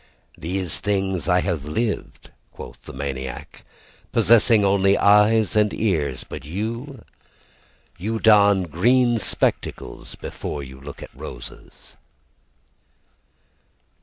"These things have I lived," quoth the maniac, "Possessing only eyes and ears. "But you "You don green spectacles before you look at roses."